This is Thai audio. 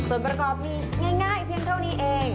ส่วนประกอบมีง่ายเพียงเท่านี้เอง